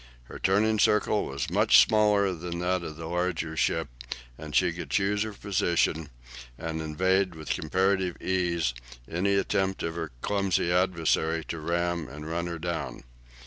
Her turning circle was much smaller than that of the larger ship, and she could choose her position, and evade with comparative ease any attempt of her clumsy adversary to ram and run her down.